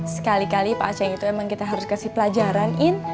sekali kali pak aceh itu emang kita harus kasih pelajaran in